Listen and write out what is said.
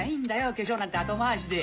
化粧なんて後回しで。